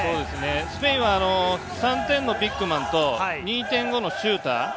スペインは３点のビッグマンと２．５のシューター。